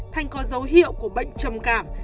thành có dấu hiệu của bệnh trầm cảm